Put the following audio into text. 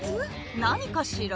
何かしら？